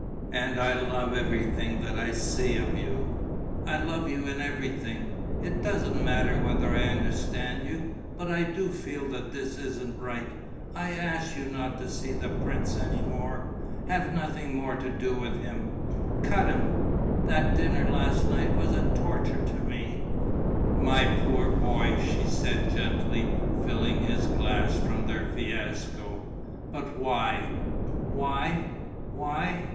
And I love everything that I see of you: I love you in everything. It doesn't matter whether I understand you. But I do feel that this isn't right. I ask you not to see the prince any more. Have nothing more to do with him. Cut him.... That dinner, last night, was a torture to me...." "My poor boy," she said, gently, filling his glass from their fiasco, "but why?" "Why? Why?